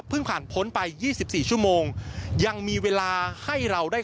เพิ่งผ่านพ้นไปยี่สิบสี่ชั่วโมงยังมีเวลาให้เราได้